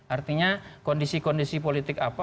artinya kondisi kondisi politik apa